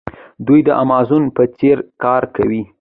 دوی د امازون په څیر کار کوي.